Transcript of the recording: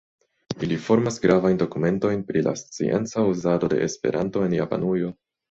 Ili formas gravajn dokumentojn pri la scienca uzado de Esperanto en Japanujo.